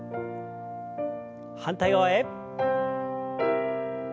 反対側へ。